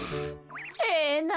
ええなあ！